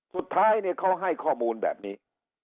สุดท้ายเขาให้ข้อมูลแบบนี้